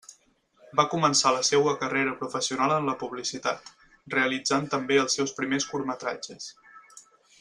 Va començar la seua carrera professional en la publicitat, realitzant també els seus primers curtmetratges.